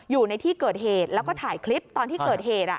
อยู่ในที่เกิดเหตุแล้วก็ถ่ายคลิปตอนที่เกิดเหตุ